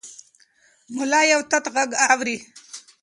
ملا یو تت غږ اوري.